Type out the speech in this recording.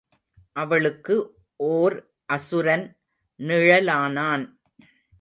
அவளுக்கு ஒர் அசுரன் நிழலானான்.